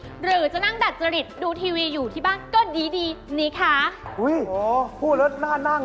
หรือจะนั่งดัดจริตดูทีวีอยู่ที่บ้านก็ดีดีนี่ค่ะอุ้ยโหพูดแล้วน่านั่ง